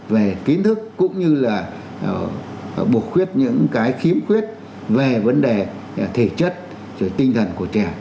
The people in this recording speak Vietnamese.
về kiến thức cũng như là buộc khuyết những cái khiếm khuyết về vấn đề thể chất tinh thần của trẻ